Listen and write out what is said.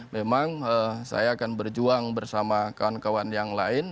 memang saya akan berjuang bersama kawan kawan yang lain